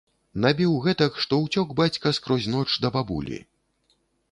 Набіў гэтак, што ўцёк бацька скрозь ноч да бабулі.